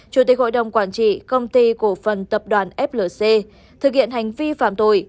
chủ tịch hội đồng quản trị công ty cổ phần tập đoàn flc thực hiện hành vi phạm tội